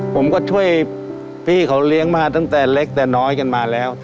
ผมก็ช่วยพี่เขาเลี้ยงมาตั้งแต่เล็กแต่น้อยกันมาแล้ว